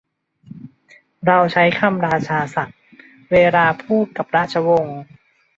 เราใช้คำราชาศัพท์ เวลาพูดกับราชวงศ์